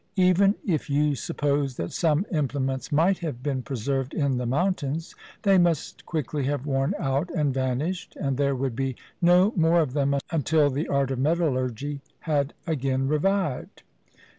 Even if you suppose that some implements might have been preserved in the mountains, they must quickly have worn out and vanished, and there would be no more of them until the art of metallurgy had again revived.